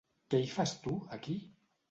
Què hi fas tu, aquí?